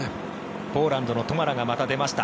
ポーランドのトマラがまた出ました。